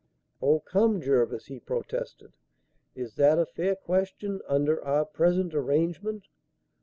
"Oh, come, Jervis," he protested; "is that a fair question, under our present arrangement?